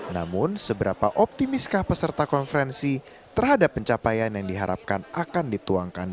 namun seberapa optimiskah peserta konferensi terhadap pencapaian yang diharapkan akan dituangkan